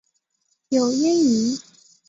有脂鳍。